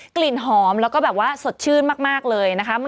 กลิ่นหอมแล้วก็แบบว่าสดชื่นมากเลยนะคะ